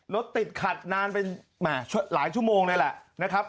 รถติดขัดนานเป็นหลายชั่วโมงเลยแหละนะครับ